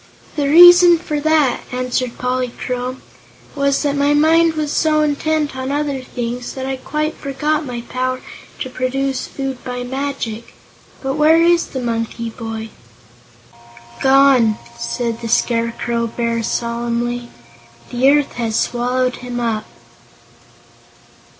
"The reason for that," answered Polychrome, "was that my mind was so intent on other things that I quite forgot my power to produce food by magic. But where is the monkey boy?" "Gone!" said the Scarecrow Bear, solemnly. "The earth has swallowed him up."